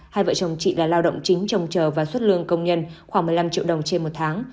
hai vợ chồng chị là lao động chính trồng chờ và xuất lương công nhân khoảng một mươi năm triệu đồng trên một tháng